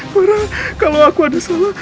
marah kalau aku ada salah